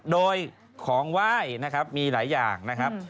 โดยของไหว้นะครับมีหลายอย่างนะครับ